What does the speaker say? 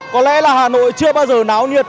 có lẽ là hà nội chưa bao giờ náo nhiệt